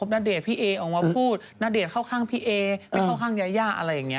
ณเดชน์พี่เอออกมาพูดณเดชน์เข้าข้างพี่เอไม่เข้าข้างยายาอะไรอย่างนี้